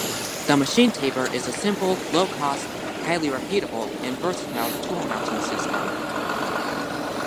The machine taper is a simple, low-cost, highly repeatable, and versatile tool mounting system.